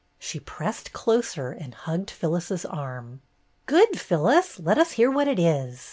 She pressed closer and hugged Phyllis's arm. "Good, Phyllis! Let us hear what it is."